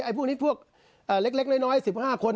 ไอ้พวกนี้พวกเล็กน้อยสิบห้าคน